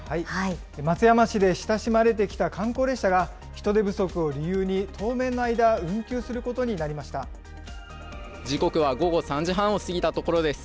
松山市で親しまれてきた観光列車が人手不足を理由に、当面の時刻は午後３時半を過ぎたところです。